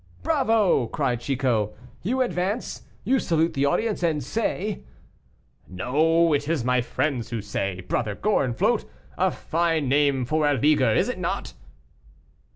"Bravo!" cried Chicot; "you advance, you salute the audience and say " "No, it is my friends who say, Brother Gorenflot a fine name for a leaguer, is it not?"